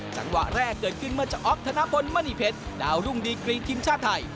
จังหวะแรกเกิดขึ้นเมื่อเจ้าอ๊อฟธนพลมณีเพชรดาวรุ่งดีกรีทีมชาติไทย